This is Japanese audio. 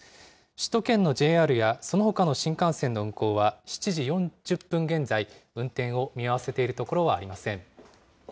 首都圏のＪＲやそのほかの新幹線の運行は７時４０分現在、運転を見合わせているところはありません。